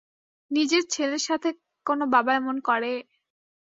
নিজের ছেলের সাথে কোন বাবা এমন করে?